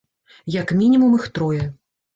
Як мінімум іх трое.